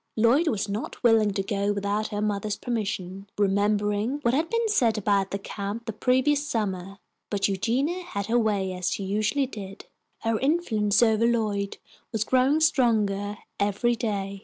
Lloyd was not willing to go without her mother's permission, remembering what had been said about the camp the previous summer, but Eugenia had her way as she usually did. Her influence over Lloyd was growing stronger every day.